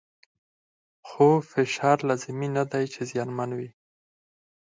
خو فشار لازمي نه دی چې زیانمن وي.